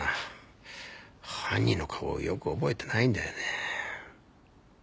犯人の顔をよく覚えてないんだよね。